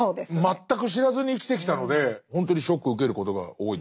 全く知らずに生きてきたのでほんとにショック受けることが多いです。